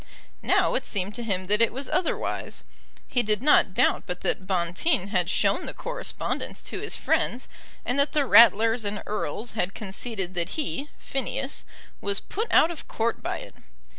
Now it seemed to him that it was otherwise. He did not doubt but that Bonteen had shown the correspondence to his friends, and that the Ratlers and Erles had conceded that he, Phineas, was put out of court by it.